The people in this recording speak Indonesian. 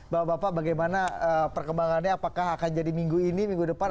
bapak bapak bagaimana perkembangannya apakah akan jadi minggu ini minggu depan